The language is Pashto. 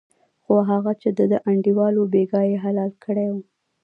خو هغه چې دده انډیوال و بېګا یې حلال کړی و.